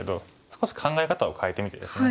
少し考え方を変えてみてですね